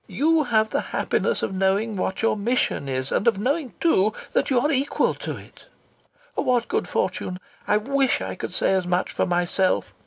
You have the happiness of knowing what your mission is, and of knowing, too, that you are equal to it. What good fortune! I wish I could say as much for myself.